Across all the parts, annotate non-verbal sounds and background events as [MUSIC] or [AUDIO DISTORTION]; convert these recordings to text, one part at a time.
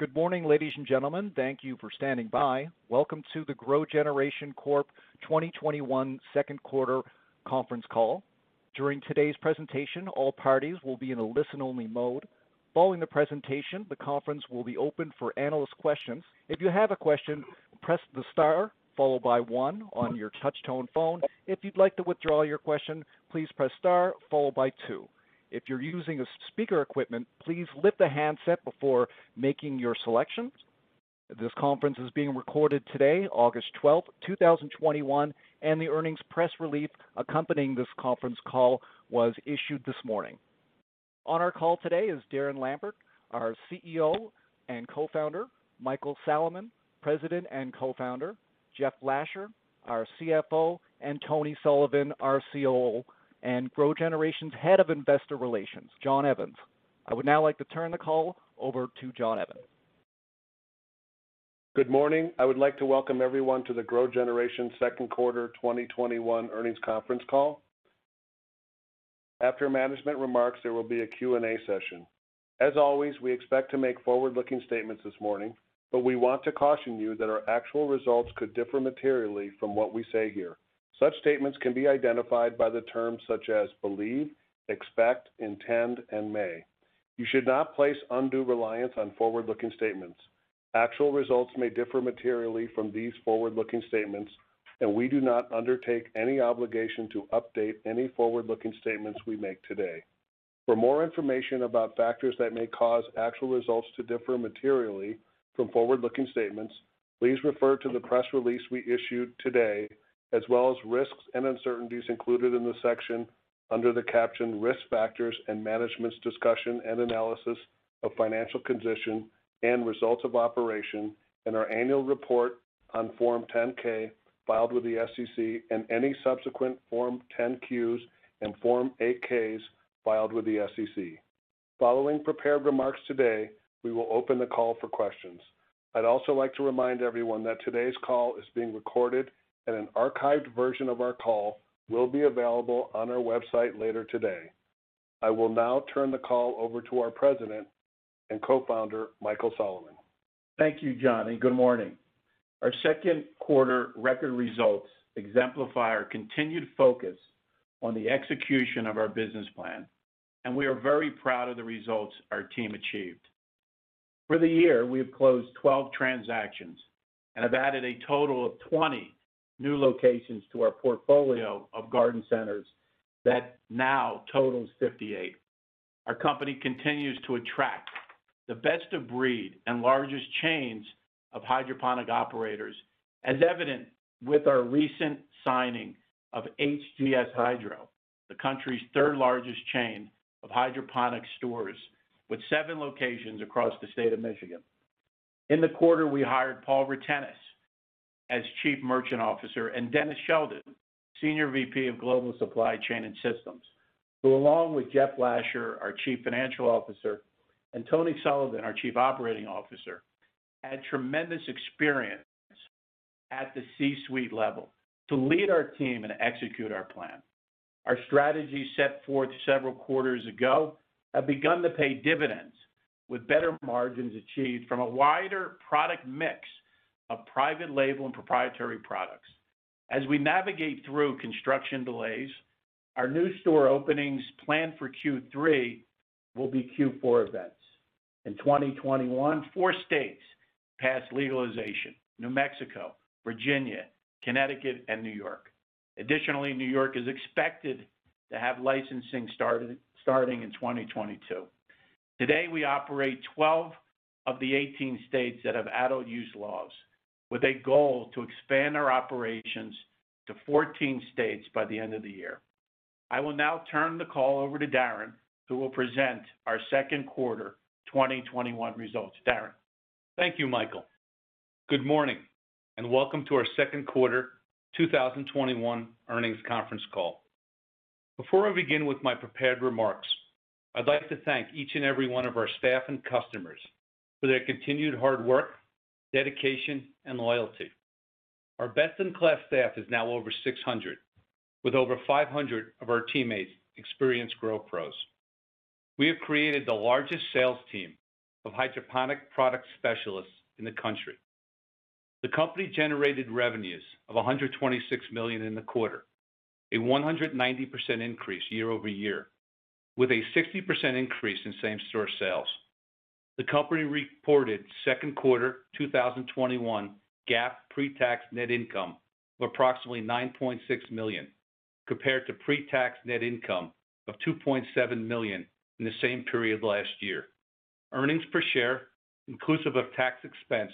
Good morning, ladies and gentlemen. Thank you for standing by. Welcome to the GrowGeneration Corp. 2021 second quarter conference call. During today's presentation, all parties will be in a listen-only mode. Following the presentation, the conference will be open for analyst questions. If you have a question, press the star, followed by one on your touchtone phone. If you'd like to withdraw your question, please press star followed by two. If you're using speaker equipment, please lift the handset before making your selection. This conference is being recorded today, August 12th, 2021, and the earnings press release accompanying this conference call was issued this morning. On our call today is Darren Lampert, our CEO and Co-Founder, Michael Salaman, President and Co-Founder, Jeff Lasher, our CFO, and Tony Sullivan, our COO, and GrowGeneration's Head of Investor Relations, John Evans. I would now like to turn the call over to John Evans. Good morning. I would like to welcome everyone to the GrowGeneration second quarter 2021 earnings conference call. After management remarks, there will be a Q&A session. As always, we expect to make forward-looking statements this morning, but we want to caution you that our actual results could differ materially from what we say here. Such statements can be identified by the terms such as believe, expect, intend, and may. You should not place undue reliance on forward-looking statements. Actual results may differ materially from these forward-looking statements, and we do not undertake any obligation to update any forward-looking statements we make today. For more information about factors that may cause actual results to differ materially from forward-looking statements, please refer to the press release we issued today, as well as risks and uncertainties included in the section under the caption Risk Factors and Management's Discussion and Analysis of Financial Condition and Results of Operation in our annual report on Form 10-K filed with the SEC and any subsequent Form 10-Qs and Form 8-Ks filed with the SEC. Following prepared remarks today, we will open the call for questions. I'd also like to remind everyone that today's call is being recorded, and an archived version of our call will be available on our website later today. I will now turn the call over to our President and Co-founder, Michael Salaman. Thank you, John, and good morning. Our second quarter record results exemplify our continued focus on the execution of our business plan, and we are very proud of the results our team achieved. For the year, we have closed 12 transactions and have added a total of 20 new locations to our portfolio of garden centers that now totals 58. Our company continues to attract the best-of-breed and largest chains of hydroponic operators, as evident with our recent signing of HGS Hydro, the country's third-largest chain of hydroponic stores with seven locations across the state of Michigan. In the quarter, we hired Paul Rutenis as Chief Merchant Officer and Dennis Sheldon, Senior VP of Global Supply Chain and Systems, who, along with Jeff Lasher, our Chief Financial Officer, and Tony Sullivan, our Chief Operating Officer, add tremendous experience at the C-suite level to lead our team and execute our plan. Our strategies set forth several quarters ago have begun to pay dividends with better margins achieved from a wider product mix of private label and proprietary products. As we navigate through construction delays, our new store openings planned for Q3 will be Q4 events. In 2021, four states passed legalization: New Mexico, Virginia, Connecticut, and New York. Additionally, New York is expected to have licensing starting in 2022. Today, we operate 12 of the 18 states that have adult use laws, with a goal to expand our operations to 14 states by the end of the year. I will now turn the call over to Darren, who will present our second quarter 2021 results. Darren. Thank you, Michael. Good morning, welcome to our second quarter 2021 earnings conference call. Before I begin with my prepared remarks, I'd like to thank each and every one of our staff and customers for their continued hard work, dedication, and loyalty. Our best-in-class staff is now over 600, with over 500 of our teammates experienced GrowPros. We have created the largest sales team of hydroponic product specialists in the country. The company generated revenues of $126 million in the quarter, a 190% increase year-over-year, with a 60% increase in same-store sales. The company reported second quarter 2021 GAAP pre-tax net income of approximately $9.6 million, compared to pre-tax net income of $2.7 million in the same period last year. Earnings per share, inclusive of tax expense,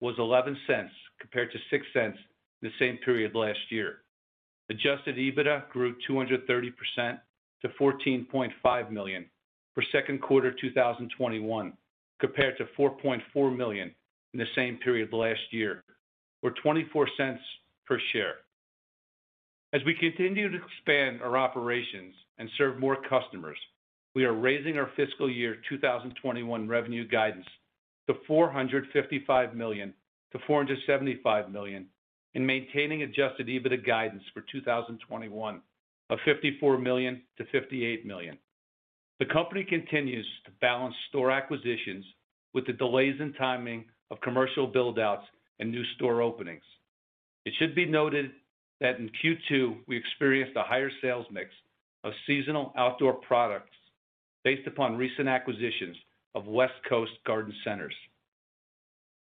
was $0.11 compared to $0.06 in the same period last year. Adjusted EBITDA grew 230% to $14.5 million for second quarter 2021, compared to $4.4 million in the same period last year, or $0.24 per share. As we continue to expand our operations and serve more customers, we are raising our fiscal year 2021 revenue guidance to $455 million-$475 million and maintaining adjusted EBITDA guidance for 2021. Of $54 million-$58 million. The company continues to balance store acquisitions with the delays in timing of commercial build-outs and new store openings. It should be noted that in Q2, we experienced a higher sales mix of seasonal outdoor products based upon recent acquisitions of West Coast garden centers.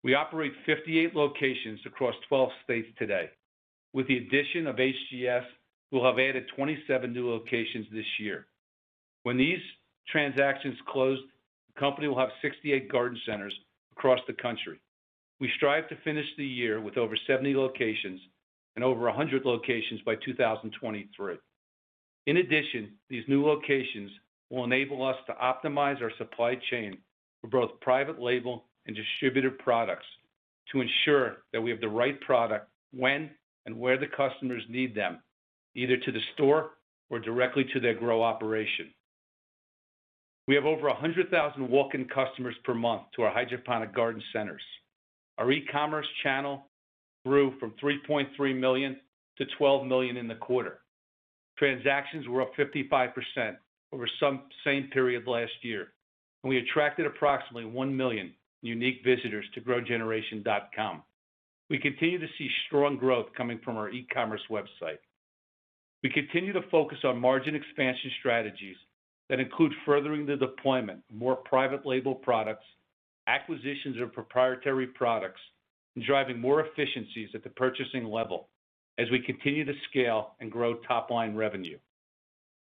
We operate 58 locations across 12 states today. With the addition of HGS, we'll have added 27 new locations this year. When these transactions close, the company will have 68 garden centers across the country. We strive to finish the year with over 70 locations and over 100 locations by 2023. In addition, these new locations will enable us to optimize our supply chain for both private label and distributor products to ensure that we have the right product when and where the customers need them, either to the store or directly to their grow operation. We have over 100,000 walk-in customers per month to our hydroponic garden centers. Our e-commerce channel grew from $3.3 million-$12 million in the quarter. Transactions were up 55% over same period last year, and we attracted approximately 1 million unique visitors to growgeneration.com. We continue to see strong growth coming from our e-commerce website. We continue to focus on margin expansion strategies that include furthering the deployment of more private label products, acquisitions of proprietary products, and driving more efficiencies at the purchasing level as we continue to scale and grow top-line revenue.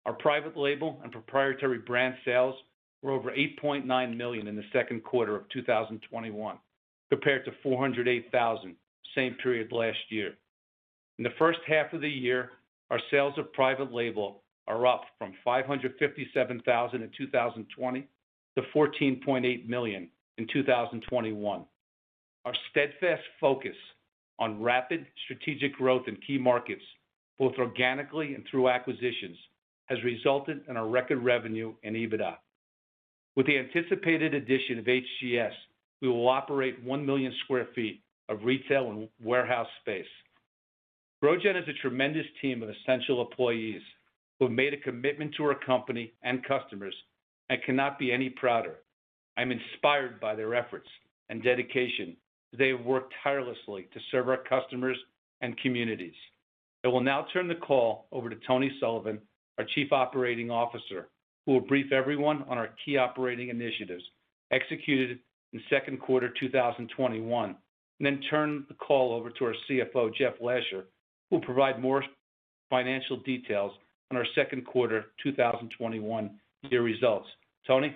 Our private label and proprietary brand sales were over $8.9 million in the second quarter of 2021, compared to $408,000 same period last year. In the first half of the year, our sales of private label are up from $557,000 in 2020 to $14.8 million in 2021. Our steadfast focus on rapid strategic growth in key markets, both organically and through acquisitions, has resulted in a record revenue in EBITDA. With the anticipated addition of HGS, we will operate 1,000,000sq ft of retail and warehouse space. GrowGen has a tremendous team of essential employees who have made a commitment to our company and customers. I cannot be any prouder. I'm inspired by their efforts and dedication as they have worked tirelessly to serve our customers and communities. I will now turn the call over to Tony Sullivan, our chief operating officer, who will brief everyone on our key operating initiatives executed in second quarter 2021, and then turn the call over to our CFO, Jeff Lasher, who will provide more financial details on our second quarter 2021 year results. Tony?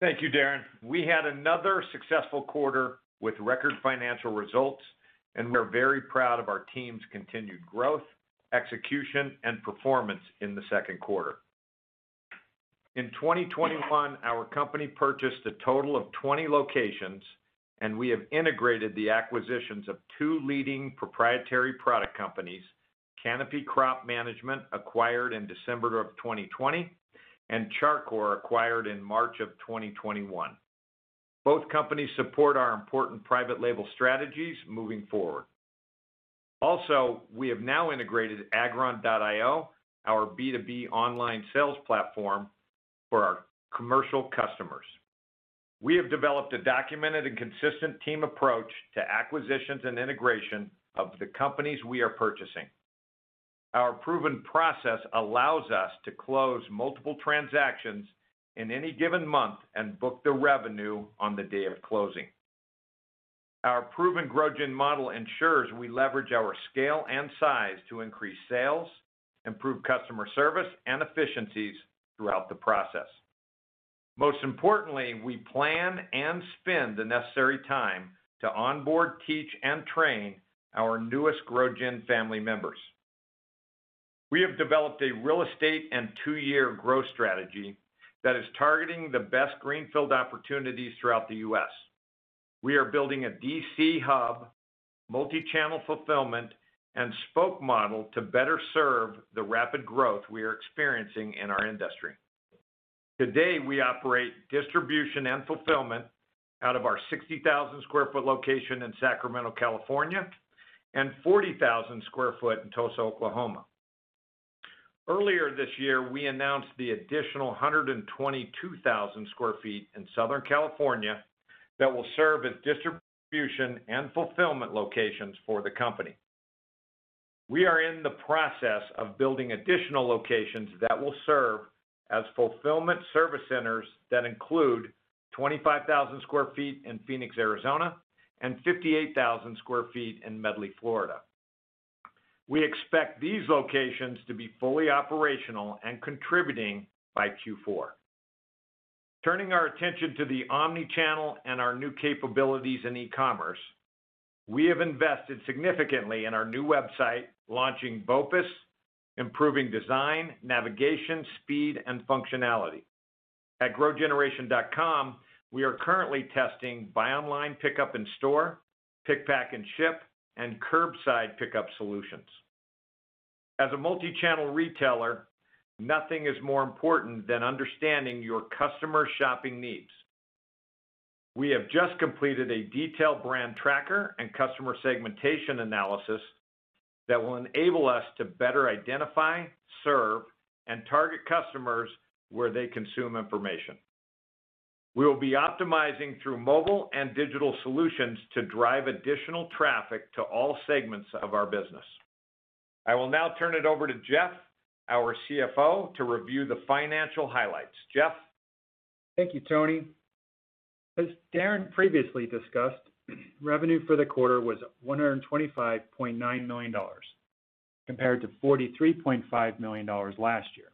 Thank you, Darren. We had another successful quarter with record financial results, and we are very proud of our team's continued growth, execution, and performance in the second quarter. In 2021, our company purchased a total of 20 locations, and we have integrated the acquisitions of two leading proprietary product companies, Canopy Crop Management, acquired in December of 2020, and Char Coir, acquired in March of 2021. Both companies support our important private label strategies moving forward. We have now integrated Agron.io, our B2B online sales platform, for our commercial customers. We have developed a documented and consistent team approach to acquisitions and integration of the companies we are purchasing. Our proven process allows us to close multiple transactions in any given month and book the revenue on the day of closing. Our proven GrowGen model ensures we leverage our scale and size to increase sales, improve customer service, and efficiencies throughout the process. Most importantly, we plan and spend the necessary time to onboard, teach, and train our newest GrowGen family members. We have developed a real estate and two-year growth strategy that is targeting the best greenfield opportunities throughout the U.S. We are building a DC hub, multi-channel fulfillment, and spoke model to better serve the rapid growth we are experiencing in our industry. Today, we operate distribution and fulfillment out of our 60,000sq ft location in Sacramento, California, and 40,000sq ft in Tulsa, Oklahoma. Earlier this year, we announced the additional 122,000sq ft in Southern California that will serve as distribution and fulfillment locations for the company. We are in the process of building additional locations that will serve as fulfillment service centers that include 25,000sq ft in Phoenix, Arizona, and 58,000sq ft in Medley, Florida. We expect these locations to be fully operational and contributing by Q4. Turning our attention to the omnichannel and our new capabilities in e-commerce, we have invested significantly in our new website, launching BOPIS, improving design, navigation, speed, and functionality. At growgeneration.com, we are currently testing buy online, pickup in store, pick, pack, and ship, and curbside pickup solutions. As a multichannel retailer, nothing is more important than understanding your customer shopping needs. We have just completed a detailed brand tracker and customer segmentation analysis that will enable us to better identify, serve, and target customers where they consume information. We will be optimizing through mobile and digital solutions to drive additional traffic to all segments of our business. I will now turn it over to Jeff, our CFO, to review the financial highlights. Jeff? Thank you, Tony. As Darren previously discussed, revenue for the quarter was $125.9 million, compared to $43.5 million last year,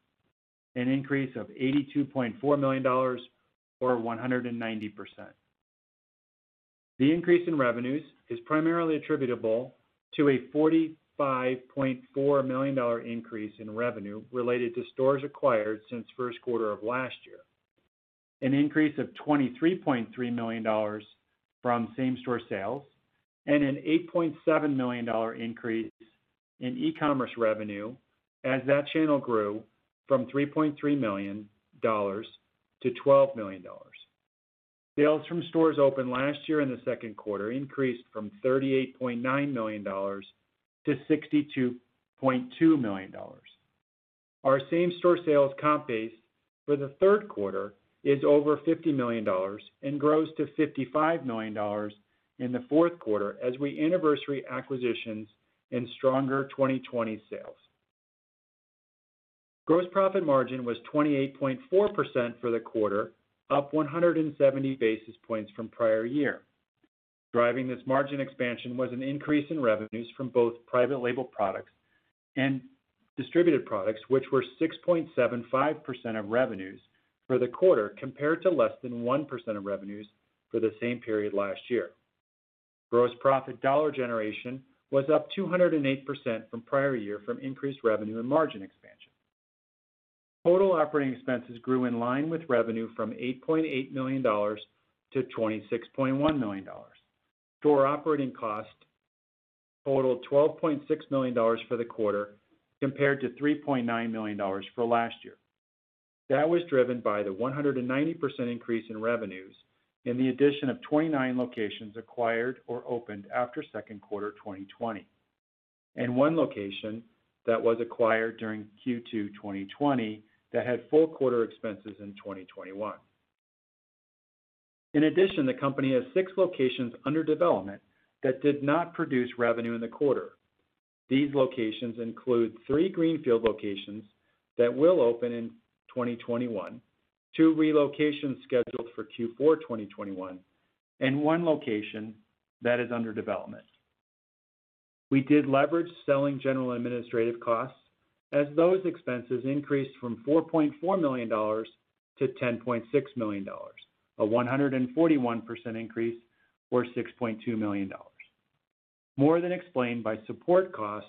an increase of $82.4 million or 190%. The increase in revenues is primarily attributable to a $45.4 million increase in revenue related to stores acquired since first quarter of last year, an increase of $23.3 million from same-store sales, and an $8.7 million increase in e-commerce revenue as that channel grew from $3.3 million-$12 million. Sales from stores opened last year in the second quarter increased from $38.9 million-$62.2 million. Our same-store sales comp base for the third quarter is over $50 million and grows to $55 million in the fourth quarter as we anniversary acquisitions and stronger 2020 sales. Gross profit margin was 28.4% for the quarter, up 170 basis points from prior year. Driving this margin expansion was an increase in revenues from both private label products and distributed products, which were 6.75% of revenues for the quarter, compared to less than 1% of revenues for the same period last year. Gross profit dollar generation was up 208% from prior year from increased revenue and margin expansion. Total operating expenses grew in line with revenue from $8.8 million-$26.1 million. Store operating cost totaled $12.6 million for the quarter, compared to $3.9 million for last year. That was driven by the 190% increase in revenues and the addition of 29 locations acquired or opened after second quarter 2020, and one location that was acquired during Q2 2020 that had full quarter expenses in 2021. In addition, the company has six locations under development that did not produce revenue in the quarter. These locations include three greenfield locations that will open in 2021, two relocations scheduled for Q4 2021, and one location that is under development. We did leverage selling general administrative costs as those expenses increased from $4.4 million-$10.6 million, a 141% increase or $6.2 million. More than explained by support costs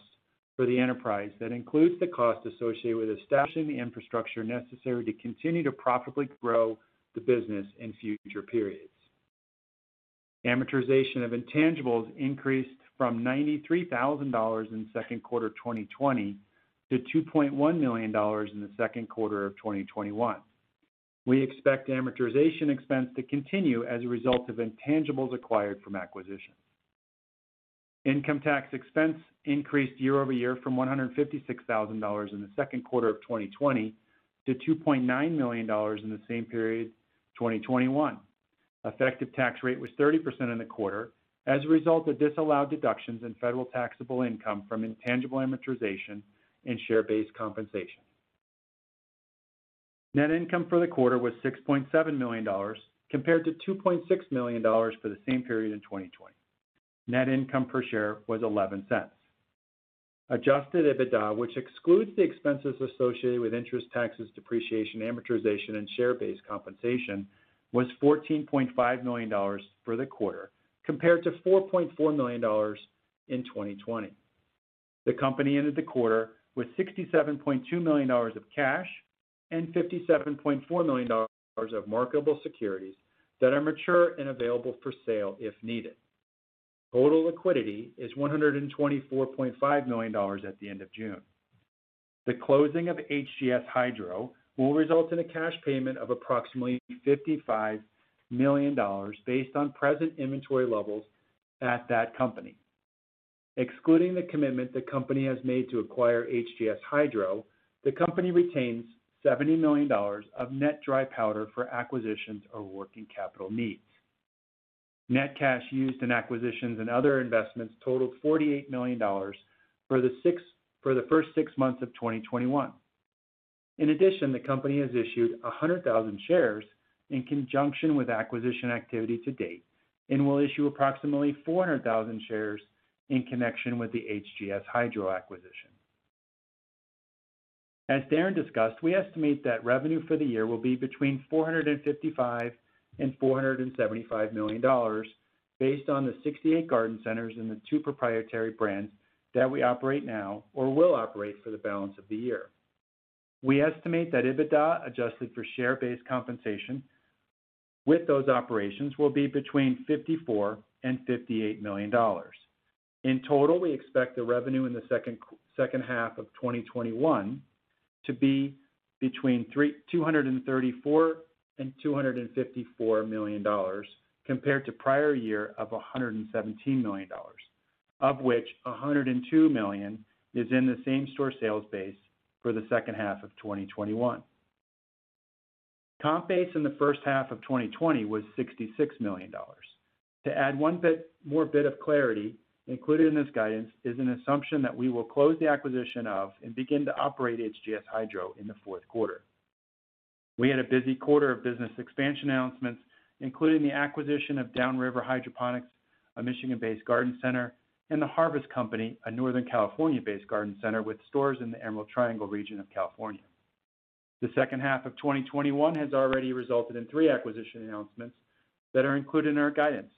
for the enterprise, that includes the cost associated with establishing the infrastructure necessary to continue to profitably grow the business in future periods. Amortization of intangibles increased from $93,000 in second quarter 2020 to $2.1 million in the second quarter of 2021. We expect amortization expense to continue as a result of intangibles acquired from acquisitions. Income tax expense increased year-over-year from $156,000 in the second quarter of 2020 to $2.9 million in the same period 2021. Effective tax rate was 30% in the quarter as a result of disallowed deductions in federal taxable income from intangible amortization and share-based compensation. Net income for the quarter was $6.7 million, compared to $2.6 million for the same period in 2020. Net income per share was $0.11. Adjusted EBITDA, which excludes the expenses associated with interest, taxes, depreciation, amortization, and share-based compensation, was $14.5 million for the quarter, compared to $4.4 million in 2020. The company ended the quarter with $67.2 million of cash and $57.4 million of marketable securities that are mature and available for sale if needed. Total liquidity is $124.5 million at the end of June. The closing of HGS Hydro will result in a cash payment of approximately $55 million based on present inventory levels at that company. Excluding the commitment the company has made to acquire HGS Hydro, the company retains $70 million of net dry powder for acquisitions or working capital needs. Net cash used in acquisitions and other investments totaled $48 million for the first six months of 2021. In addition, the company has issued 100,000 shares in conjunction with acquisition activity to date and will issue approximately 400,000 shares in connection with the HGS Hydro acquisition. As Darren discussed, we estimate that revenue for the year will be between $455 million and $475 million based on the 68 garden centers and the two proprietary brands that we operate now or will operate for the balance of the year. We estimate that EBITDA, adjusted for share-based compensation with those operations, will be between $54 million and $58 million. In total, we expect the revenue in the second half of 2021 to be between $234 million and $254 million compared to prior year of $117 million, of which $102 million is in the same-store sales base for the second half of 2021. Comp base in the first half of 2020 was $66 million. To add one more bit of clarity, included in this guidance is an assumption that we will close the acquisition of and begin to operate HGS Hydro in the fourth quarter. We had a busy quarter of business expansion announcements, including the acquisition of Downriver Hydroponics, a Michigan-based garden center, and The Harvest Company, a Northern California-based garden center with stores in the Emerald Triangle region of California. The second half of 2021 has already resulted in three acquisition announcements that are included in our guidance.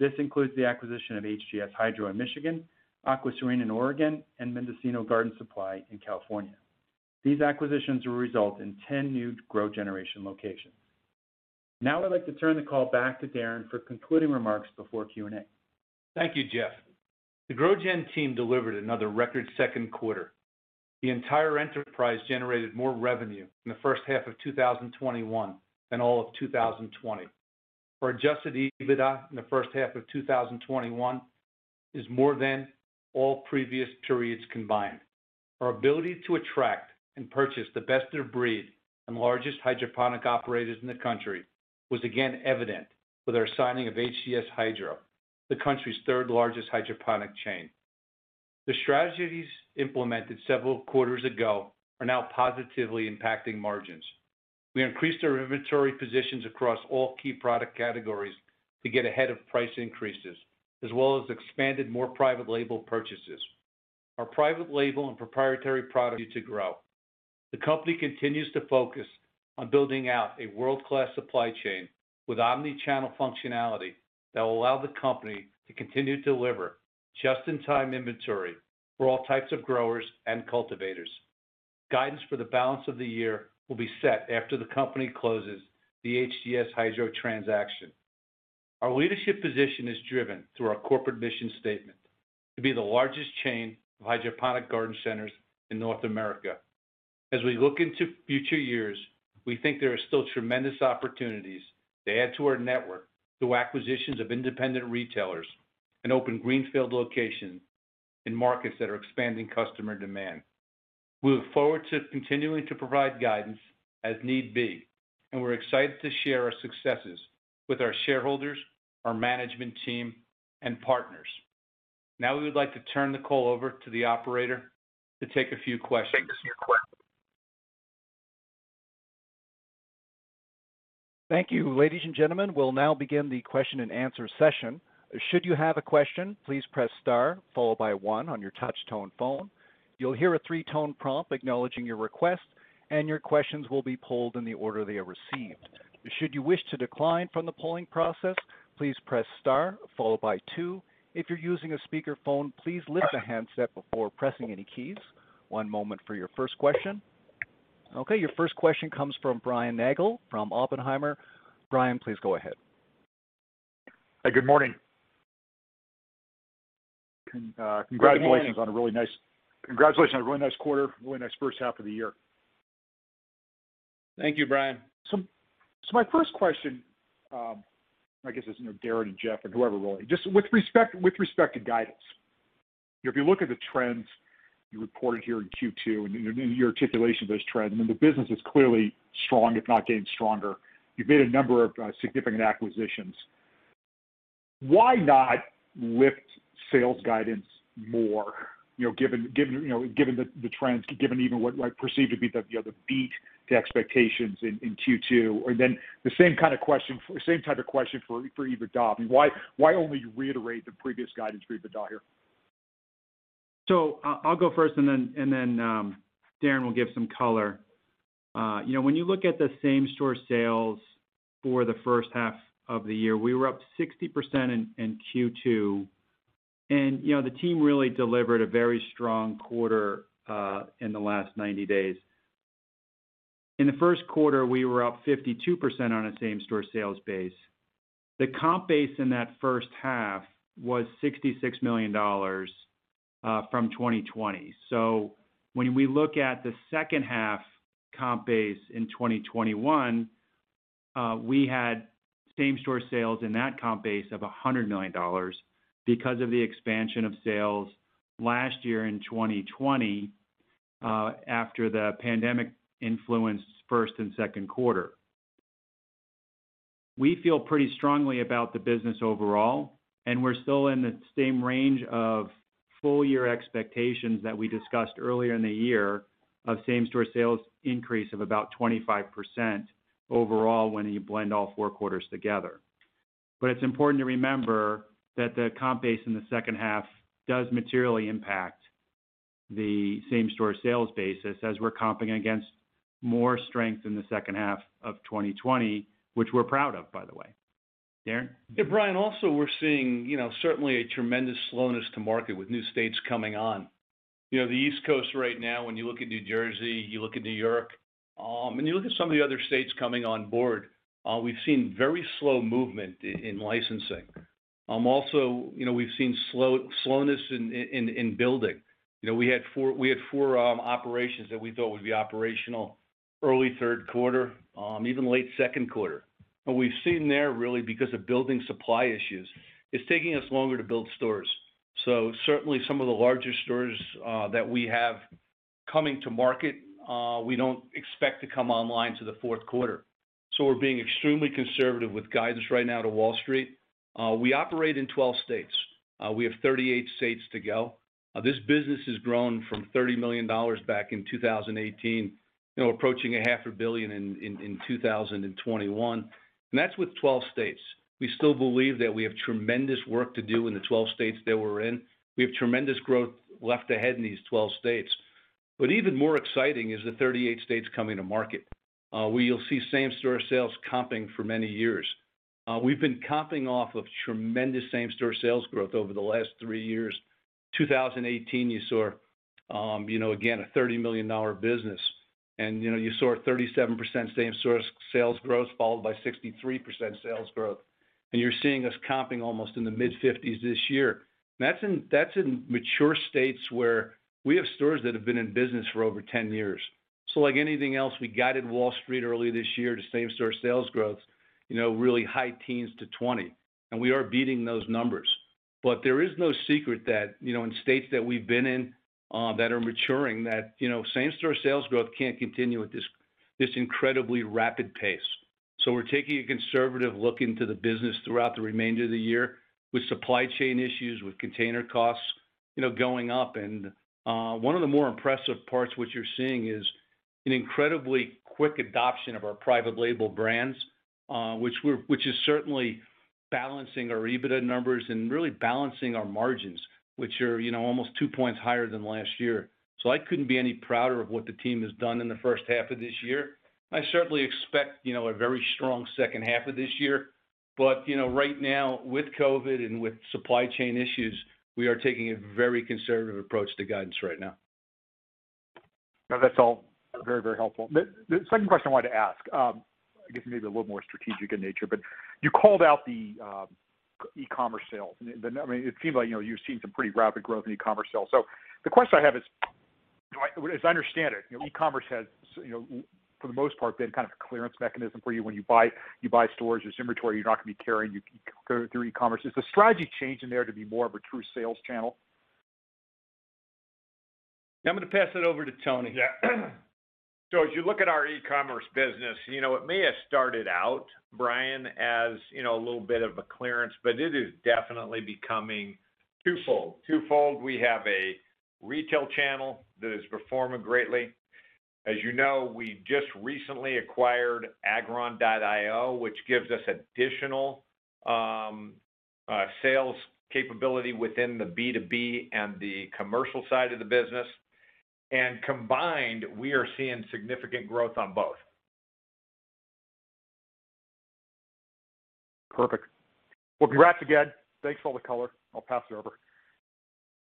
This includes the acquisition of HGS Hydro in Michigan, Aqua Serene in Oregon, and Mendocino Garden Supply in California. These acquisitions will result in 10 new GrowGeneration locations. I'd like to turn the call back to Darren for concluding remarks before Q&A. Thank you, Jeff. The GrowGen team delivered another record second quarter. The entire enterprise generated more revenue in the first half of 2021 than all of 2020. Our adjusted EBITDA in the first half of 2021 is more than all previous periods combined. Our ability to attract and purchase the best of breed and largest hydroponic operators in the country was again evident with our signing of HGS Hydro, the country's third-largest hydroponic chain. The strategies implemented several quarters ago are now positively impacting margins. We increased our inventory positions across all key product categories to get ahead of price increases, as well as expanded more private label purchases. Our private label and proprietary products to grow. The company continues to focus on building out a world-class supply chain with omni-channel functionality that will allow the company to continue to deliver just-in-time inventory for all types of growers and cultivators. Guidance for the balance of the year will be set after the company closes the HGS Hydro transaction. Our leadership position is driven through our corporate mission statement to be the largest chain of hydroponic garden centers in North America. As we look into future years, we think there are still tremendous opportunities to add to our network through acquisitions of independent retailers and open greenfield locations in markets that are expanding customer demand. We look forward to continuing to provide guidance as need be, and we're excited to share our successes with our shareholders, our management team, and partners. Now we would like to turn the call over to the operator to take a few questions. Okay, your first question comes from Brian Nagel from Oppenheimer. Brian, please go ahead. Hi, good morning. Good morning. Congratulations on a really nice quarter, really nice first half of the year. Thank you, Brian. My first question, I guess this is for Darren and Jeff and whoever rolling. Just with respect to guidance. If you look at the trends you reported here in Q2 and your articulation of those trends, I mean, the business is clearly strong, if not getting stronger. You've made a number of significant acquisitions. Why not lift sales guidance more, given the trends, given even what I perceive to be the beat to expectations in Q2? The same type of question for EBITDA. I mean, why only reiterate the previous guidance for EBITDA here? I'll go first, and then Darren will give some color. When you look at the same-store sales for the first half of the year, we were up 60% in Q2. And the team really delivered a very strong quarter in the last 90 days. In the first quarter, we were up 52% on a same-store sales base. The comp base in that first half was $66 million from 2020. When we look at the second half comp base in 2021, we had same-store sales in that comp base of $100 million because of the expansion of sales last year in 2020, after the pandemic influenced first and second quarter. We feel pretty strongly about the business overall. We're still in the same range of full-year expectations that we discussed earlier in the year of same-store sales increase of about 25% overall when you blend all four quarters together. It's important to remember that the comp base in the second half does materially impact the same-store sales basis as we're comping against more strength in the second half of 2020, which we're proud of, by the way. Darren? Yeah, Brian, also, we're seeing certainly a tremendous slowness to market with new states coming on. The East Coast right now, when you look at New Jersey, you look at New York, and you look at some of the other states coming on board, we've seen very slow movement in licensing. Also, we've seen slowness in building. We had four operations that we thought would be operational early third quarter, even late second quarter. We've seen there really because of building supply issues, it's taking us longer to build stores. Certainly some of the larger stores that we have coming to market, we don't expect to come online till the fourth quarter. We're being extremely conservative with guidance right now to Wall Street. We operate in 12 states. We have 38 states to go. This business has grown from $30 million back in 2018, approaching $0.5 billion in 2021. That's with 12 states. We still believe that we have tremendous work to do in the 12 states that we're in. We have tremendous growth left ahead in these 12 states. Even more exciting is the 38 states coming to market, where you'll see same-store sales comping for many years. We've been comping off of tremendous same-store sales growth over the last three years. 2018, you saw, again, a $30 million business, and you saw a 37% same-store sales growth followed by 63% sales growth. You're seeing us comping almost in the mid-50s this year. That's in mature states where we have stores that have been in business for over 10 years. Like anything else, we guided Wall Street early this year to same-store sales growth, really high teens to 20%, and we are beating those numbers. There is no secret that in states that we've been in that are maturing, that same-store sales growth can't continue at this incredibly rapid pace. We're taking a conservative look into the business throughout the remainder of the year with supply chain issues, with container costs going up. One of the more impressive parts which you're seeing is an incredibly quick adoption of our private label brands, which is certainly balancing our EBITDA numbers and really balancing our margins, which are almost two points higher than last year. I couldn't be any prouder of what the team has done in the first half of this year. I certainly expect a very strong second half of this year. Right now with COVID and with supply chain issues, we are taking a very conservative approach to guidance right now. No, that's all very helpful. The second question I wanted to ask, I guess maybe a little more strategic in nature, but you called out the e-commerce sales. It seems like you've seen some pretty rapid growth in e-commerce sales. The question I have is, as I understand it, e-commerce has, for the most part, been kind of a clearance mechanism for you. When you buy storage, there's inventory you're not going to be carrying, you go through e-commerce. Is the strategy changing there to be more of a true sales channel? I'm going to pass that over to Tony. As you look at our e-commerce business, it may have started out, Brian, as a little bit of a clearance, but it is definitely becoming twofold. We have a retail channel that is performing greatly. As you know, we just recently acquired Agron.io, which gives us additional sales capability within the B2B and the commercial side of the business. Combined, we are seeing significant growth on both. Perfect. Well, congrats again. Thanks for all the color. I'll pass it over.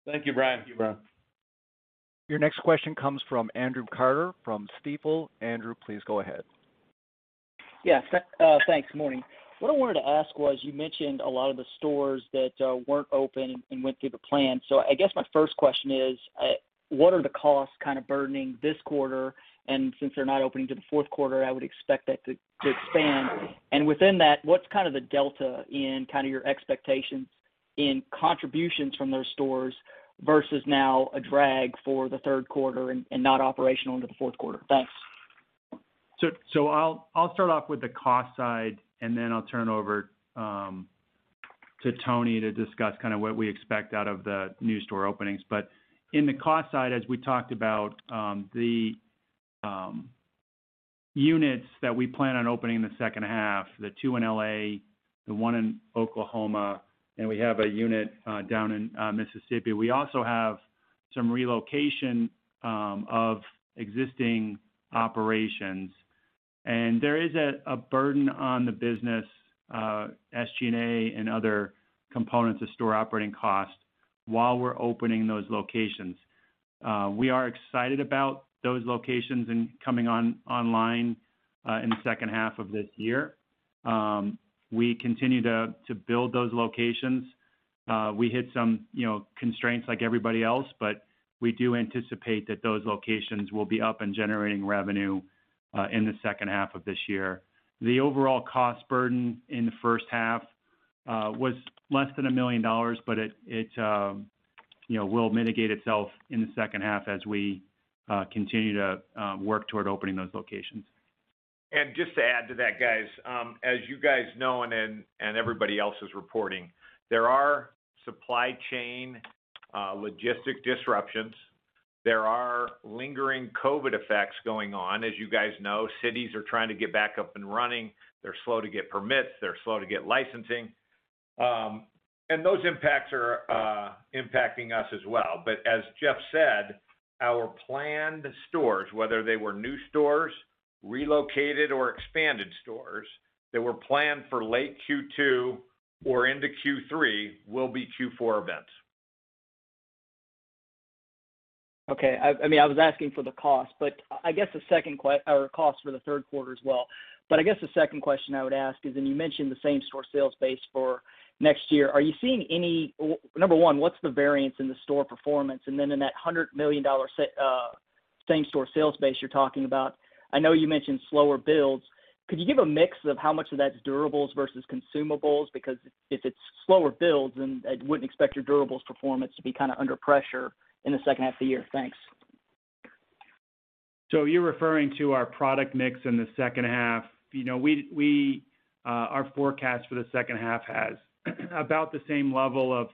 Thank you, Brian. Thank you, Brian. Your next question comes from Andrew Carter from Stifel. Andrew, please go ahead. Yeah. Thanks. Morning. What I wanted to ask was, you mentioned a lot of the stores that weren't open and went through the plan. I guess my first question is, what are the costs kind of burdening this quarter? Since they're not opening till the fourth quarter, I would expect that to expand. Within that, what's kind of the delta in kind of your expectations in contributions from those stores versus now a drag for the third quarter and not operational into the fourth quarter? Thanks. I'll start off with the cost side, and then I'll turn over to Tony to discuss kind of what we expect out of the new store openings. In the cost side, as we talked about, the units that we plan on opening in the second half, the two 2 in L.A., the one in Oklahoma, and we have a unit down in Mississippi. We also have some relocation of existing operations. There is a burden on the business, SG&A and other components of store operating costs while we're opening those locations. We are excited about those locations and coming online in the second half of this year. We continue to build those locations. We hit some constraints like everybody else, but we do anticipate that those locations will be up and generating revenue in the second half of this year. The overall cost burden in the first half was less than $1 million, but it will mitigate itself in the second half as we continue to work toward opening those locations. Just to add to that, guys. As you guys know and everybody else is reporting, there are supply chain logistic disruptions. There are lingering COVID effects going on. As you guys know, cities are trying to get back up and running. They're slow to get permits. They're slow to get licensing. Those impacts are impacting us as well. As Jeff said, our planned stores, whether they were new stores, relocated or expanded stores that were planned for late Q2 or into Q3, will be Q4 events. Okay. I was asking for the cost, our cost for the third quarter as well. I guess the second question I would ask is, you mentioned the same-store sales base for next year, number one, what's the variance in the store performance? In that $100 million same-store sales base you're talking about, I know you mentioned slower builds. Could you give a mix of how much of that's durables versus consumables? If it's slower builds, I wouldn't expect your durables performance to be kind of under pressure in the second half of the year. Thanks. You're referring to our product mix in the second half. Our forecast for the second half has about the same level of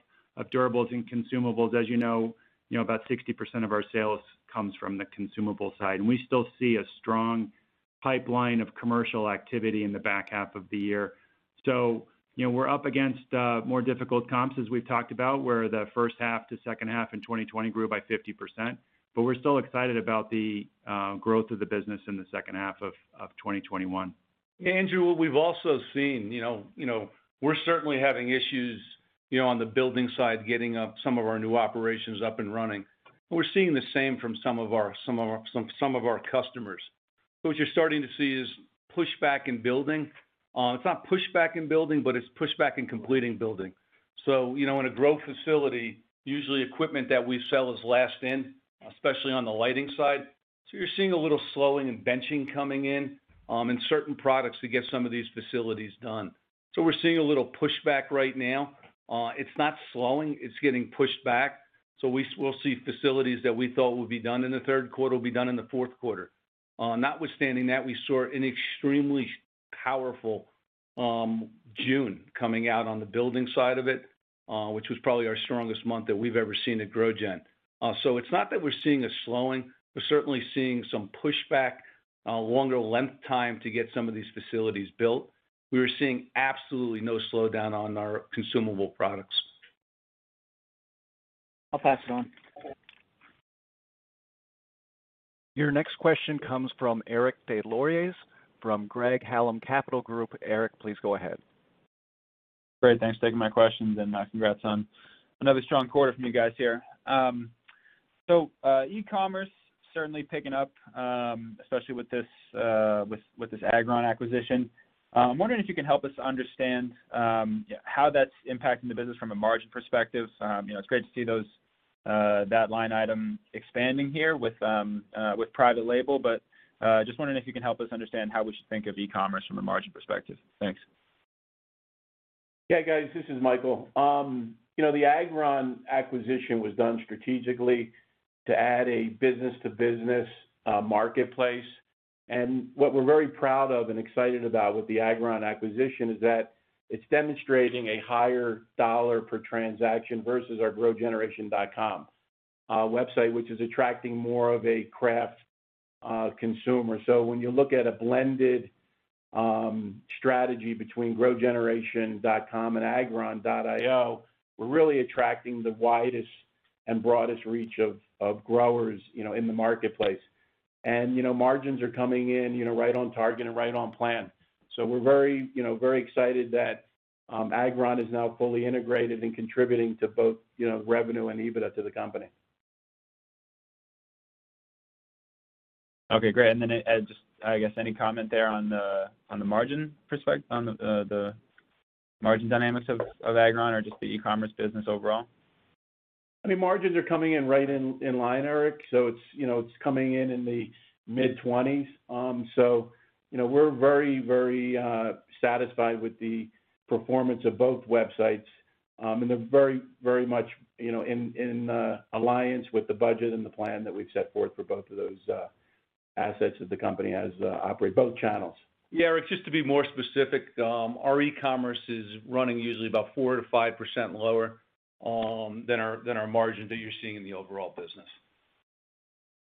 durables and consumables. As you know, about 60% of our sales comes from the consumable side, and we still see a strong pipeline of commercial activity in the back half of the year. We're up against more difficult comps, as we've talked about, where the first half to second half in 2020 grew by 50%, but we're still excited about the growth of the business in the second half of 2021. Andrew, we've also seen, we're certainly having issues on the building side, getting some of our new operations up and running. We're seeing the same from some of our customers. What you're starting to see is pushback in building. It's not pushback in building, but it's pushback in completing building. In a grow facility, usually equipment that we sell is last in, especially on the lighting side. You're seeing a little slowing in benching coming in certain products to get some of these facilities done. We're seeing a little pushback right now. It's not slowing, it's getting pushed back. We'll see facilities that we thought would be done in the third quarter will be done in the fourth quarter. Notwithstanding that, we saw an extremely powerful June coming out on the building side of it, which was probably our strongest month that we've ever seen at GrowGen. It's not that we're seeing a slowing, we're certainly seeing some pushback, a longer length time to get some of these facilities built. We are seeing absolutely no slowdown on our consumable products. I'll pass it on. Your next question comes from Eric Des Lauriers from Craig-Hallum Capital Group. Eric, please go ahead. Great. Thanks for taking my questions and congrats on another strong quarter from you guys here. E-commerce certainly picking up, especially with this Agron acquisition. I'm wondering if you can help us understand how that's impacting the business from a margin perspective. It's great to see that line item expanding here with private label, just wondering if you can help us understand how we should think of e-commerce from a margin perspective. Thanks. Yeah, guys. This is Michael. The Agron acquisition was done strategically to add a business-to-business marketplace. What we're very proud of and excited about with the Agron acquisition is that it's demonstrating a higher dollar per transaction versus our growgeneration.com website, which is attracting more of a craft consumer. When you look at a blended strategy between growgeneration.com and Agron.io, we're really attracting the widest and broadest reach of growers in the marketplace. Margins are coming in right on target and right on plan. We're very excited that Agron is now fully integrated and contributing to both revenue and EBITDA to the company. Okay, great. [AUDIO DISTORTION] just, I guess any comment there on the margin dynamics of Agron or just the e-commerce business overall? I mean, margins are coming in right in line, Eric. It's coming in in the mid-20s. We're very satisfied with the performance of both websites. They're very much in alliance with the budget and the plan that we've set forth for both of those assets that the company has operate both channels. Yeah, Eric, just to be more specific, our e-commerce is running usually about 4%-5% lower than our margin that you're seeing in the overall business.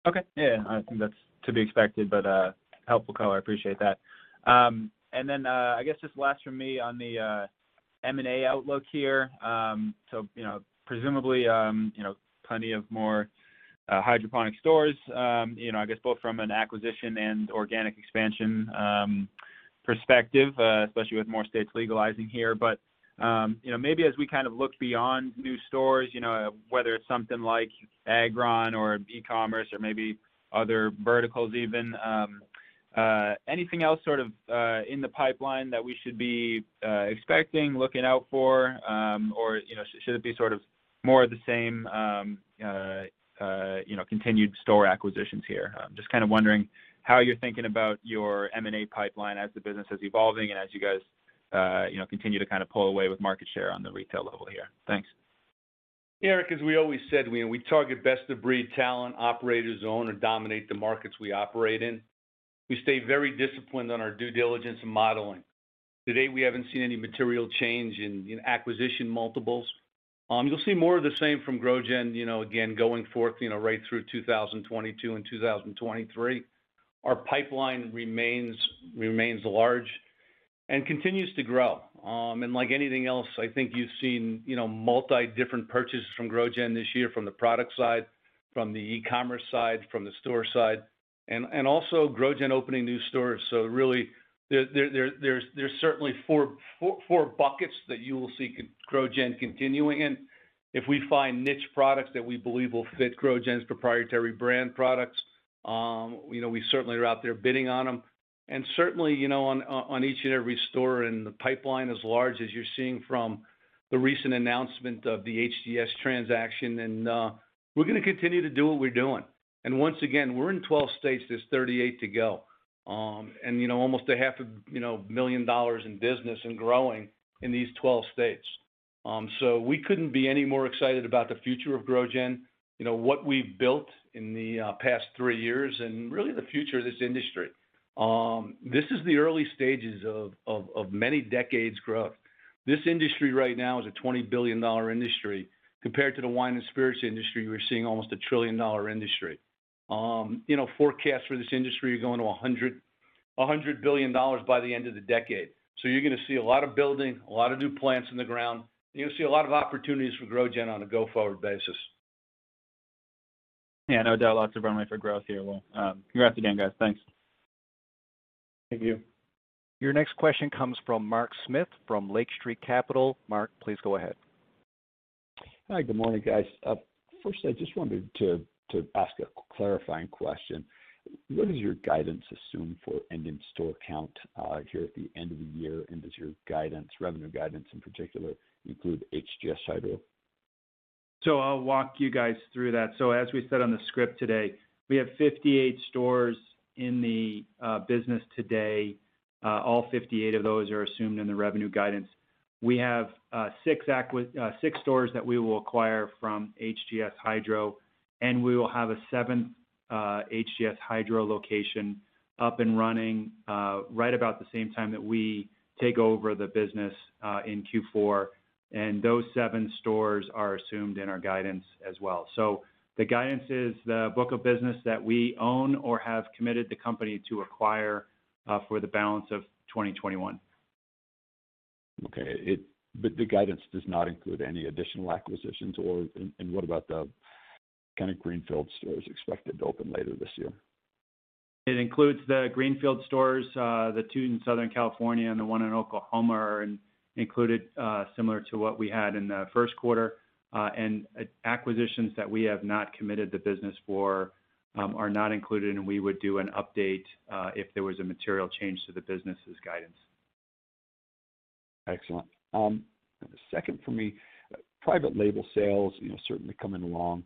Okay. Yeah, I think that's to be expected, but helpful color. I appreciate that. I guess just last from me on the M&A outlook here. Presumably plenty of more hydroponic stores, I guess both from an acquisition and organic expansion perspective, especially with more states legalizing here. Maybe as we kind of look beyond new stores, whether it's something like Agron or e-commerce or maybe other verticals even, anything else sort of in the pipeline that we should be expecting, looking out for? Should it be sort of more of the same continued store acquisitions here? I'm just kind of wondering how you're thinking about your M&A pipeline as the business is evolving and as you guys continue to kind of pull away with market share on the retail level here. Thanks. Eric, as we always said, we target best-of-breed talent, operators who own or dominate the markets we operate in. We stay very disciplined on our due diligence and modeling. To date, we haven't seen any material change in acquisition multiples. You'll see more of the same from GrowGen, again, going forth right through 2022 and 2023. Our pipeline remains large and continues to grow. Like anything else, I think you've seen multi different purchases from GrowGen this year, from the product side, from the e-commerce side, from the store side. Also GrowGen opening new stores. Really, there's certainly four buckets that you will see GrowGen continuing in. If we find niche products that we believe will fit GrowGen's proprietary brand products, we certainly are out there bidding on them. Certainly, on each and every store in the pipeline, as large as you're seeing from the recent announcement of the HGS transaction, and we're going to continue to do what we're doing. Once again, we're in 12 states, there's 38 to go. Almost a half a million dollars in business and growing in these 12 states. We couldn't be any more excited about the future of GrowGen, what we've built in the past three years, and really the future of this industry. This is the early stages of many decades growth. This industry right now is a $20 billion industry compared to the wine and spirits industry, we're seeing almost a $1 trillion industry. Forecasts for this industry are going to $100 billion by the end of the decade. You're going to see a lot of building, a lot of new plants in the ground, and you'll see a lot of opportunities for GrowGen on a go-forward basis. Yeah, no doubt. Lots of runway for growth here, Will. Congrats again, guys. Thanks. Thank you. Your next question comes from Mark Smith from Lake Street Capital. Mark, please go ahead. Hi. Good morning, guys. First I just wanted to ask a clarifying question. What does your guidance assume for end in store count here at the end of the year, and does your revenue guidance in particular include HGS Hydro? I'll walk you guys through that. As we said on the script today, we have 58 stores in the business today. All 58 of those are assumed in the revenue guidance. We have six stores that we will acquire from HGS Hydro, and we will have a seventh HGS Hydro location up and running right about the same time that we take over the business in Q4, and those seven stores are assumed in our guidance as well. The guidance is the book of business that we own or have committed the company to acquire for the balance of 2021. Okay. The guidance does not include any additional acquisitions or what about the kind of greenfield stores expected to open later this year? It includes the greenfield stores, the two in Southern California and the one in Oklahoma are included, similar to what we had in the first quarter. Acquisitions that we have not committed the business for are not included, and we would do an update if there was a material change to the business's guidance. Excellent. The second for me, private label sales certainly coming along.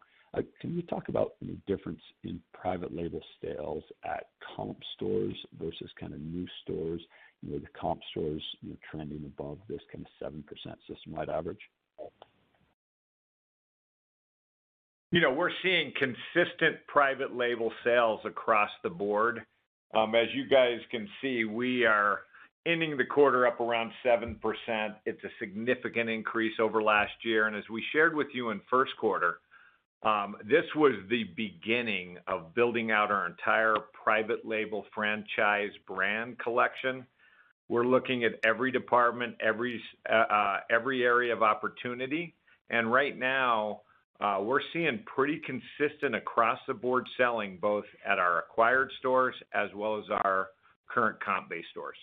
Can you talk about the difference in private label sales at comp stores versus kind of new stores, with the comp stores trending above this kind of 7% systemwide average? We're seeing consistent private label sales across the board. As you guys can see, we are ending the quarter up around 7%. It's a significant increase over last year. As we shared with you in first quarter, this was the beginning of building out our entire private label franchise brand collection. We're looking at every department, every area of opportunity. Right now, we're seeing pretty consistent across the board selling, both at our acquired stores as well as our current comp-based stores.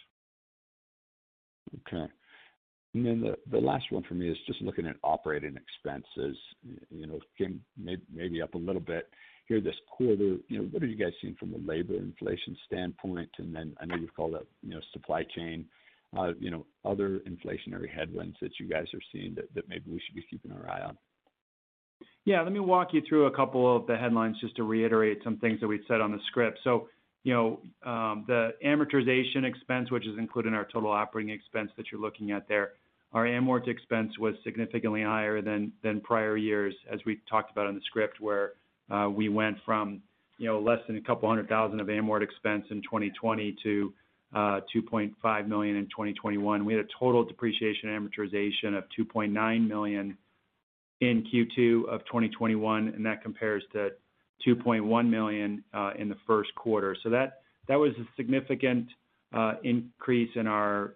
Okay. The last one for me is just looking at operating expenses. Again, maybe up a little bit here this quarter. What are you guys seeing from a labor inflation standpoint? I know you've called out supply chain, other inflationary headwinds that you guys are seeing that maybe we should be keeping our eye on. Yeah. Let me walk you through a couple of the headlines just to reiterate some things that we'd said on the script. The amortization expense, which is included in our total operating expense that you're looking at there, our amort expense was significantly higher than prior years, as we talked about on the script, where we went from less than a couple of hundred thousand of amort expense in 2020 to $2.5 million in 2021. We had a total depreciation amortization of $2.9 million in Q2 of 2021, and that compares to $2.1 million in the first quarter. That was a significant increase in our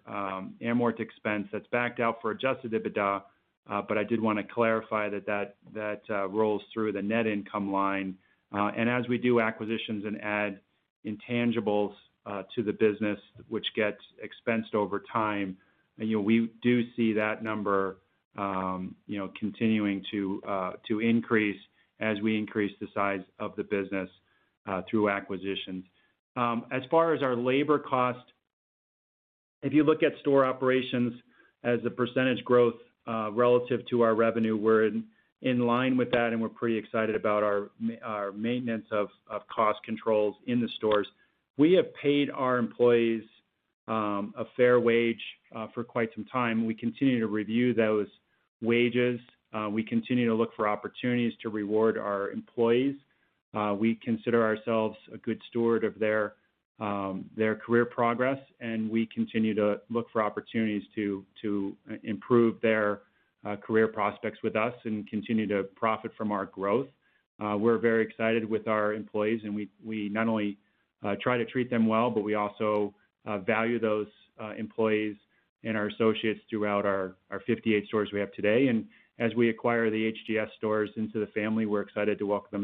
amort expense that's backed out for adjusted EBITDA, but I did want to clarify that that rolls through the net income line. As we do acquisitions and add intangibles to the business, which gets expensed over time, we do see that number continuing to increase as we increase the size of the business through acquisitions. As far as our labor cost, if you look at store operations as a percentage growth relative to our revenue, we're in line with that and we're pretty excited about our maintenance of cost controls in the stores. We have paid our employees a fair wage for quite some time, and we continue to review those wages. We continue to look for opportunities to reward our employees. We consider ourselves a good steward of their career progress, and we continue to look for opportunities to improve their career prospects with us and continue to profit from our growth. We're very excited with our employees, and we not only try to treat them well, but we also value those employees and our associates throughout our 58 stores we have today. As we acquire the HGS stores into the family, we're excited to welcome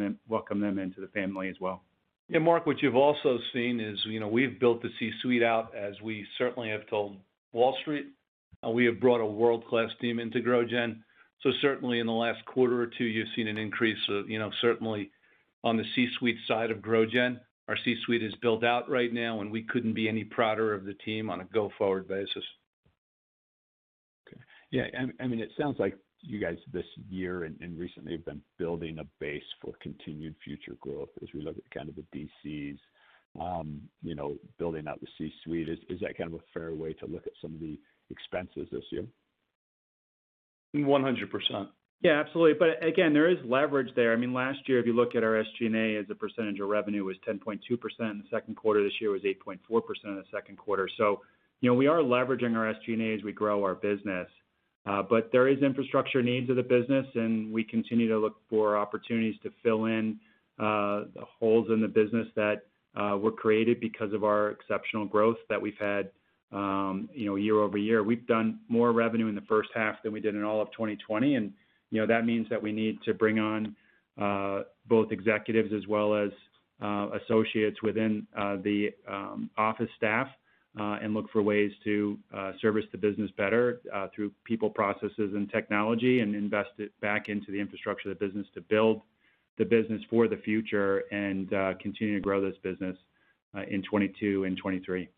them into the family as well. Mark, what you've also seen is, we've built the C-suite out as we certainly have told Wall Street. We have brought a world-class team into GrowGen. Certainly in the last quarter or two, you've seen an increase, certainly on the C-suite side of GrowGen. Our C-suite is built out right now. We couldn't be any prouder of the team on a go-forward basis. Okay. Yeah, it sounds like you guys this year and recently have been building a base for continued future growth as we look at kind of the DCs, building out the C-suite. Is that kind of a fair way to look at some of the expenses this year? 100%. Yeah, absolutely. Again, there is leverage there. Last year, if you look at our SG&A as a percentage of revenue was 10.2% in the second quarter. This year was 8.4% in the second quarter. We are leveraging our SG&A as we grow our business. There is infrastructure needs of the business, and we continue to look for opportunities to fill in the holes in the business that were created because of our exceptional growth that we've had year-over-year. We've done more revenue in the first half than we did in all of 2020. That means that we need to bring on both executives as well as associates within the office staff. Look for ways to service the business better through people, processes, and technology. Invest it back into the infrastructure of the business to build the business for the future and continue to grow this business in 2022 and 2023.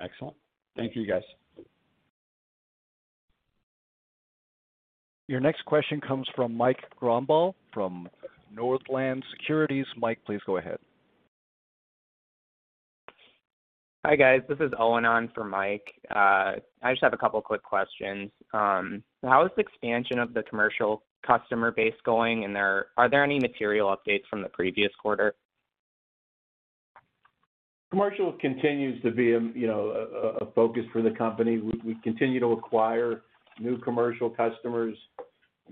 Excellent. Thank you, guys. Your next question comes from Mike Grondahl from Northland Securities. Mike, please go ahead. Hi, guys. This is Owen on for Mike. I just have a couple of quick questions. How is the expansion of the commercial customer base going, and are there any material updates from the previous quarter? Commercial continues to be a focus for the company. We continue to acquire new commercial customers,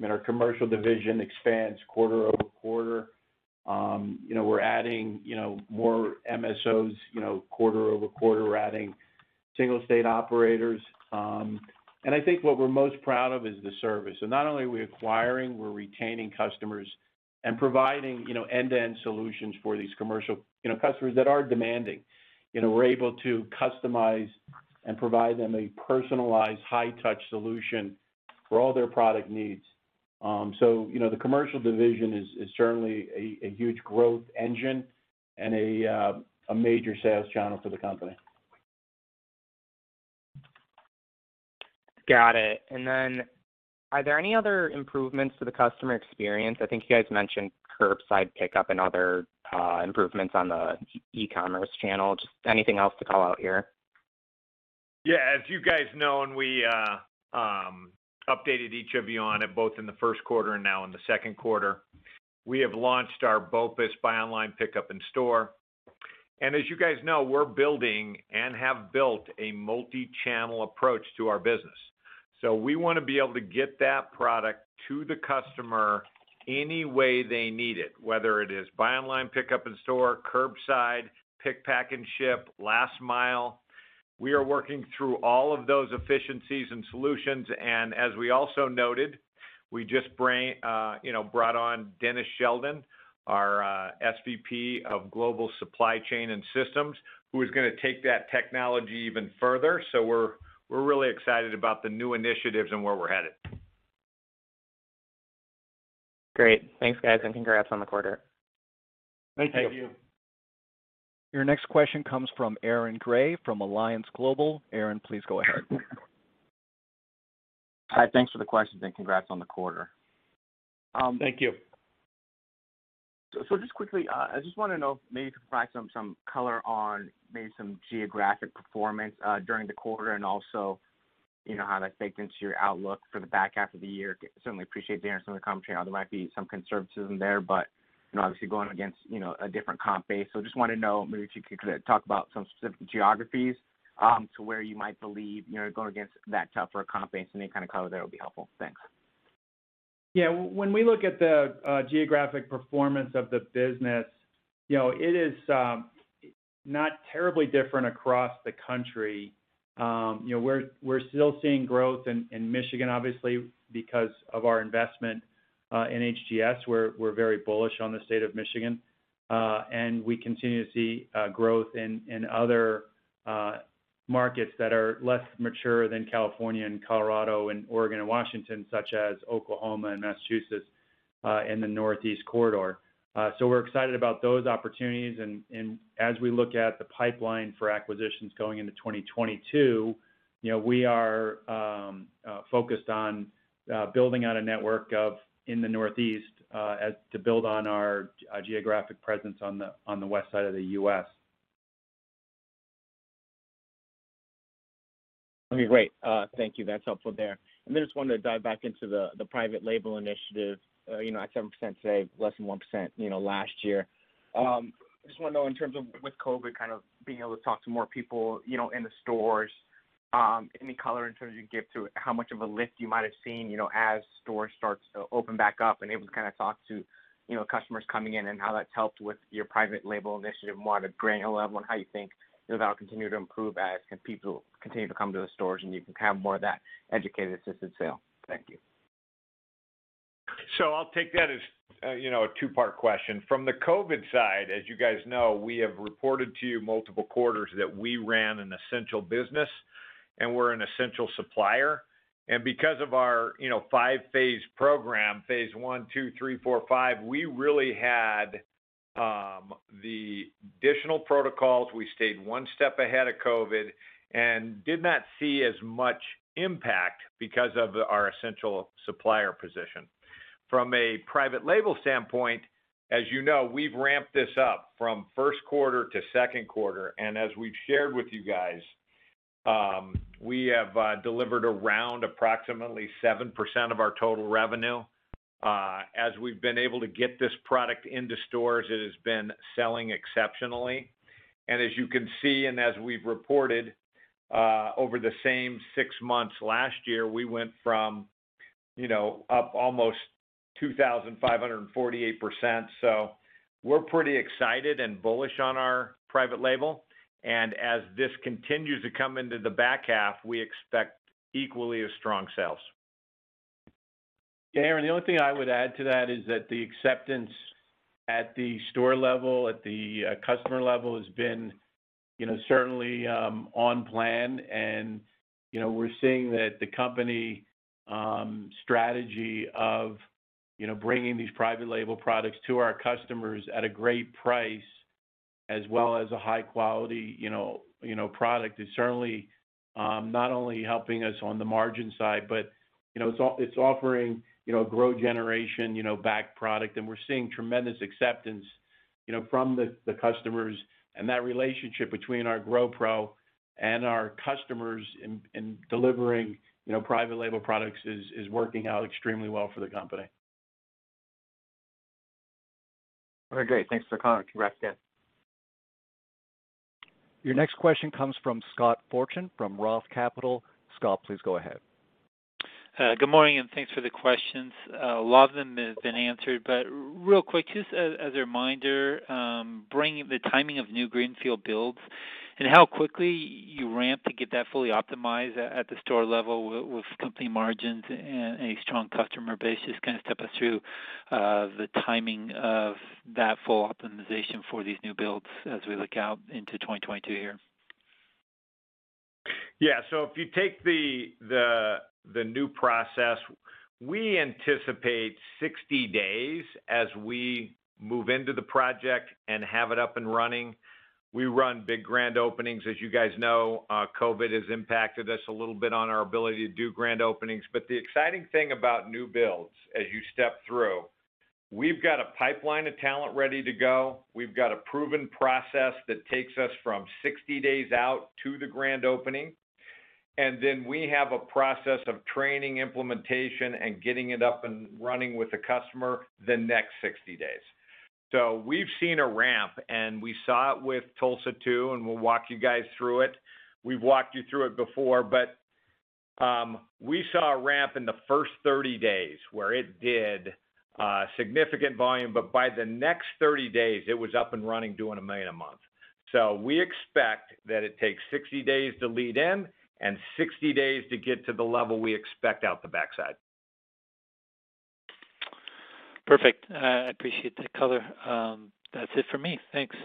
and our commercial division expands quarter-over-quarter. We're adding more MSOs quarter-over-quarter. We're adding single-state operators. I think what we're most proud of is the service. Not only are we acquiring, we're retaining customers and providing end-to-end solutions for these commercial customers that are demanding. We're able to customize and provide them a personalized high-touch solution for all their product needs. The commercial division is certainly a huge growth engine and a major sales channel for the company. Got it. Are there any other improvements to the customer experience? I think you guys mentioned curbside pickup and other improvements on the e-commerce channel. Just anything else to call out here? Yeah, as you guys know, and we updated each of you on it both in the first quarter and now in the second quarter, we have launched our BOPUS, Buy Online, Pickup in Store. As you guys know, we're building and have built a multi-channel approach to our business. We want to be able to get that product to the customer any way they need it, whether it is buy online, pickup in store, curbside, pick, pack, and ship, last mile. We are working through all of those efficiencies and solutions. As we also noted, we just brought on Dennis Sheldon, our SVP of Global Supply Chain and Systems, who is going to take that technology even further. We're really excited about the new initiatives and where we're headed. Great. Thanks, guys, and congrats on the quarter. Thank you. Thank you. Your next question comes from Aaron Grey from Alliance Global. Aaron, please go ahead. Hi, thanks for the questions, and congrats on the quarter. Thank you. Just quickly, I just want to know if maybe you could provide some color on maybe some geographic performance during the quarter, and also how that's baked into your outlook for the back half of the year. Certainly appreciate hearing some of the commentary, although there might be some conservatism there, but obviously going against a different comp base. Just want to know maybe if you could talk about some specific geographies, to where you might believe, going against that tougher comp base. Any kind of color there would be helpful. Thanks. When we look at the geographic performance of the business, it is not terribly different across the country. We're still seeing growth in Michigan, obviously, because of our investment in HGS. We're very bullish on the state of Michigan. We continue to see growth in other markets that are less mature than California and Colorado and Oregon and Washington, such as Oklahoma and Massachusetts and the Northeast Corridor. We're excited about those opportunities, and as we look at the pipeline for acquisitions going into 2022, we are focused on building out a network in the Northeast to build on our geographic presence on the West side of the U.S. Okay, great. Thank you. That's helpful there. I just wanted to dive back into the private label initiative. At 7% today, less than 1% last year. Just want to know in terms of with COVID kind of being able to talk to more people in the stores, any color in terms you can give to how much of a lift you might have seen as stores start to open back up and able to kind of talk to customers coming in and how that's helped with your private label initiative, more at a granular level, and how you think that'll continue to improve as people continue to come to the stores and you can have more of that educated assisted sale. Thank you. I'll take that as a two-part question. From the COVID side, as you guys know, we have reported to you multiple quarters that we ran an essential business and we're an essential supplier. Because of our five-phase program, phase I, II, III, IV, V, we really had the additional protocols. We stayed one step ahead of COVID and did not see as much impact because of our essential supplier position. From a private label standpoint, as you know, we've ramped this up from first quarter to second quarter. As we've shared with you guys, we have delivered around approximately 7% of our total revenue. As we've been able to get this product into stores, it has been selling exceptionally. As you can see, and as we've reported, over the same six months last year, we went from up almost 2,548%. We're pretty excited and bullish on our private label. As this continues to come into the back half, we expect equally as strong sales. Yeah, Aaron, the only thing I would add to that is that the acceptance at the store level, at the customer level has been certainly on plan. We're seeing that the company strategy of bringing these private label products to our customers at a great price, as well as a high quality product, is certainly not only helping us on the margin side, but it's offering GrowGeneration backed product. We're seeing tremendous acceptance from the customers. That relationship between our GrowPro and our customers in delivering private label products is working out extremely well for the company. Very great. Thanks for the comment. Congrats, again. Your next question comes from Scott Fortune from ROTH Capital Partners. Scott, please go ahead. Good morning, thanks for the questions. A lot of them have been answered, but real quick, just as a reminder, bringing the timing of new greenfield builds and how quickly you ramp to get that fully optimized at the store level with company margins and a strong customer base. Just kind of step us through the timing of that full optimization for these new builds as we look out into 2022 here. If you take the new process, we anticipate 60 days as we move into the project and have it up and running. We run big grand openings. As you guys know, COVID has impacted us a little bit on our ability to do grand openings. The exciting thing about new builds, as you step through, we've got a pipeline of talent ready to go. We've got a proven process that takes us from 60 days out to the grand opening, we have a process of training, implementation, and getting it up and running with the customer the next 60 days. We've seen a ramp, we saw it with Tulsa, too, we'll walk you guys through it. We've walked you through it before, we saw a ramp in the first 30 days where it did significant volume. By the next 30 days, it was up and running, doing $1 million a month. We expect that it takes 60 days to lead in and 60 days to get to the level we expect out the backside. Perfect. I appreciate the color. That's it for me. Thanks.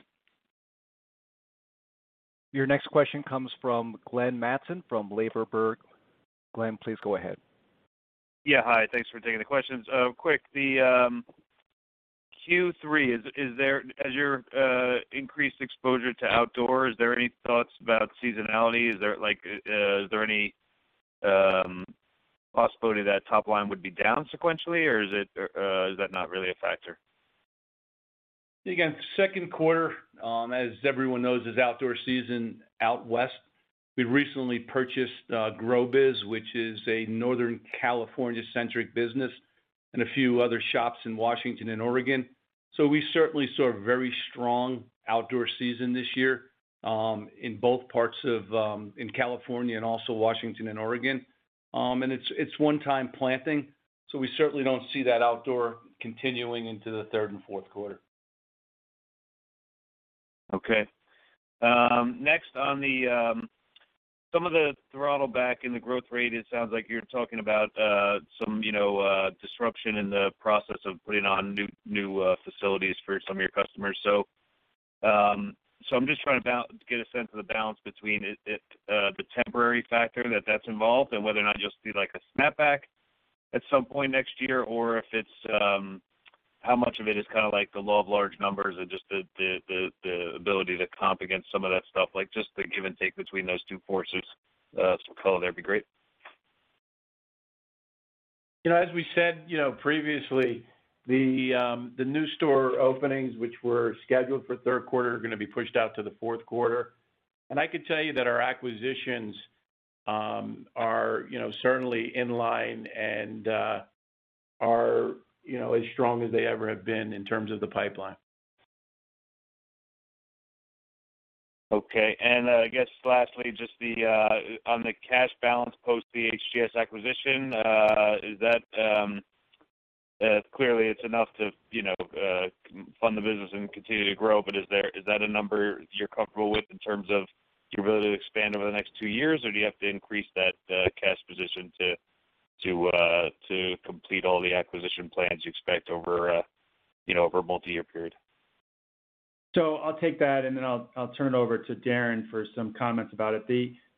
Your next question comes from Glenn Mattson from Ladenburg Thalmann. Glenn, please go ahead. Yeah. Hi. Thanks for taking the questions. Quick, the Q3, as your increased exposure to outdoor, is there any thoughts about seasonality? Is there any possibility that top line would be down sequentially, or is that not really a factor? Second quarter, as everyone knows, is outdoor season out west. We recently purchased The GrowBiz, which is a Northern California centric business, and a few other shops in Washington and Oregon. We certainly saw very strong outdoor season this year in both parts of, in California and also Washington and Oregon. It's one-time planting, we certainly don't see that outdoor continuing into the third and fourth quarter. Okay. On some of the throttle back in the growth rate, it sounds like you're talking about some disruption in the process of putting on new facilities for some of your customers. I'm just trying to get a sense of the balance between the temporary factor that's involved and whether or not you'll see, like, a snap back at some point next year, or how much of it is kind of like the law of large numbers and just the ability to comp against some of that stuff, like just the give and take between those two forces. Some color there would be great. As we said previously, the new store openings which were scheduled for third quarter are going to be pushed out to the fourth quarter. I could tell you that our acquisitions are certainly in line and are as strong as they ever have been in terms of the pipeline. Okay. I guess lastly, just on the cash balance post the HGS acquisition, clearly it's enough to fund the business and continue to grow, but is that a number you're comfortable with in terms of your ability to expand over the next two years, or do you have to increase that cash position to complete all the acquisition plans you expect over a multi-year period? I'll take that. I'll turn it over to Darren for some comments about it.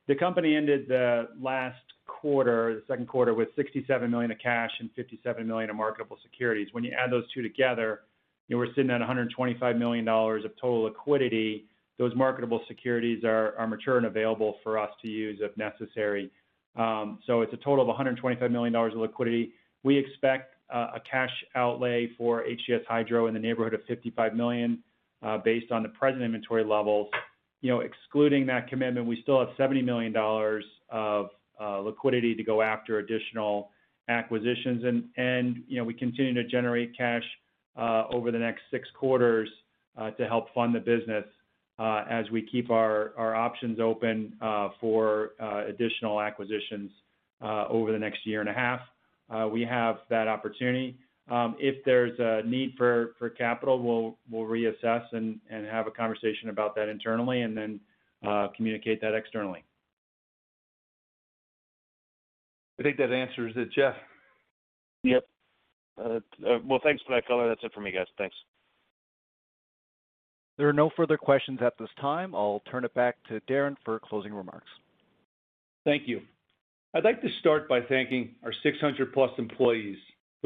The company ended the last quarter, the second quarter, with $67 million of cash and $57 million of marketable securities. When you add those two together, we're sitting at $125 million of total liquidity. Those marketable securities are mature and available for us to use if necessary. It's a total of $125 million of liquidity. We expect a cash outlay for HGS Hydro in the neighborhood of $55 million, based on the present inventory levels. Excluding that commitment, we still have $70 million of liquidity to go after additional acquisitions, and we continue to generate cash over the next six quarters to help fund the business as we keep our options open for additional acquisitions over the next year and a half. We have that opportunity. If there's a need for capital, we'll reassess and have a conversation about that internally and then communicate that externally. I think that answers it, Jeff. Yep. Well, thanks for that color. That's it for me, guys. Thanks. There are no further questions at this time. I'll turn it back to Darren for closing remarks. Thank you. I'd like to start by thanking our 600-plus employees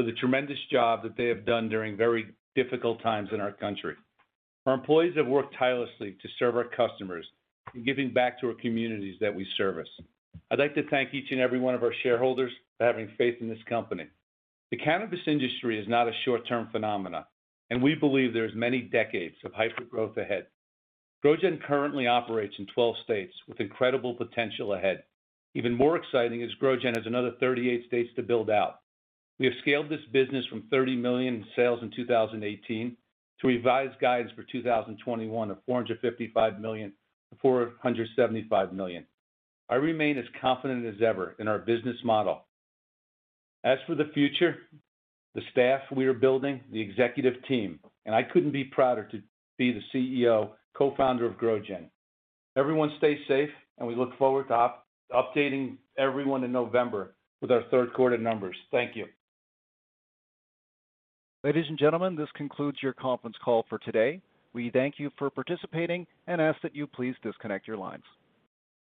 for the tremendous job that they have done during very difficult times in our country. Our employees have worked tirelessly to serve our customers and giving back to our communities that we service. I'd like to thank each and every one of our shareholders for having faith in this company. The cannabis industry is not a short-term phenomenon, and we believe there's many decades of hyper growth ahead. GrowGen currently operates in 12 states with incredible potential ahead. Even more exciting is GrowGen has another 38 states to build out. We have scaled this business from $30 million in sales in 2018 to revised guidance for 2021 of $455 million-$475 million. I remain as confident as ever in our business model. As for the future, the staff we are building, the executive team, I couldn't be prouder to be the CEO Co-founder of GrowGen. Everyone stay safe, we look forward to updating everyone in November with our third quarter numbers. Thank you. Ladies and gentlemen, this concludes your conference call for today. We thank you for participating and ask that you please disconnect your lines.